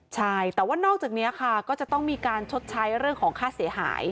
ใช่แต่ว่านอกจากนี้ค่ะก็จะต้องมีการชดใช้เรื่องของค่าเสียหาย